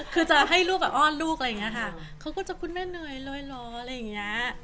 คือจะให้ลูกอ้อนลูกค่ะเขาก็ว่าคุณแม่เหนื่อยเรียร้อย